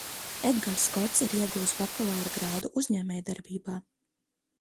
Edgars Kots ir ieguvis bakalaura grādu uzņēmējdarbībā.